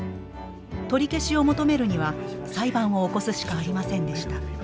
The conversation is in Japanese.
取り消しを求めるには裁判を起こすしかありませんでした。